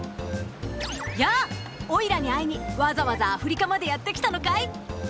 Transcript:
やあおいらに会いにわざわざアフリカまでやって来たのかい？